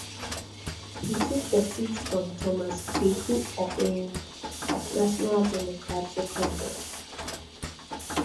He took the seat from Thomas Kweku Aubyn of National Democratic Congress.